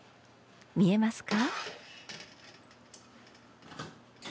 見えますか？